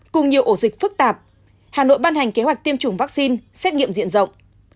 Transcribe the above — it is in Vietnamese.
cùng nhiều ổ dịch phức tạp hà nội ban hành kế hoạch tiêm chủng vaccine xét nghiệm diện rộng